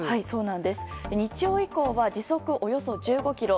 日曜以降は時速およそ１５キロ